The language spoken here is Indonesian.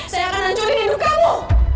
saya akan mencuri hidup kamu